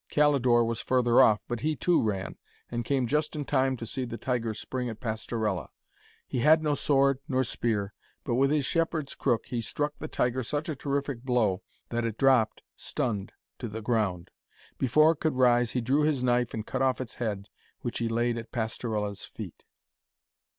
Calidore was further off, but he, too, ran, and came just in time to see the tiger spring at Pastorella. He had no sword nor spear, but with his shepherd's crook he struck the tiger such a terrific blow, that it dropped, stunned, to the ground. Before it could rise, he drew his knife and cut off its head, which he laid at Pastorella's feet.